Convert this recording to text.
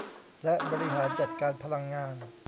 และบริหารจัดการพลังงาน